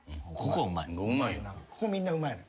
ここみんなうまいの。